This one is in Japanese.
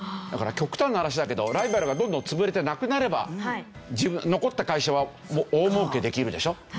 だから極端な話だけどライバルがどんどん潰れてなくなれば残った会社は大儲けできるでしょ？